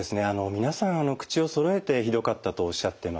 皆さん口をそろえてひどかったとおっしゃってます。